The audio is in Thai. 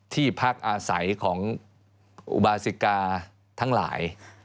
ที่พักอาศัยของอุบาสิกาทั้งหลาย